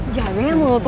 jameng ya mulut lo